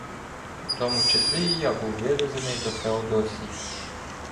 У тому числі і я був вивезений до Феодосії.